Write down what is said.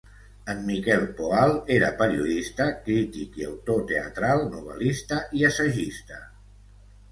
En Miquel Poal era periodista, crític i autor teatral, novel·lista i assagista.